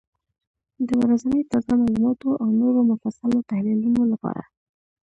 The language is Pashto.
د ورځني تازه معلوماتو او نورو مفصلو تحلیلونو لپاره،